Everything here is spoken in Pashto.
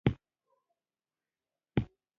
بوډا وخندل، د هلک پر سر يې لاس کېښود، ورو يې وويل: